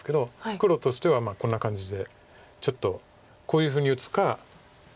黒としてはこんな感じでちょっとこういうふうに打つか。